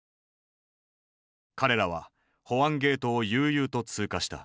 彼らは保安ゲートを悠々と通過した。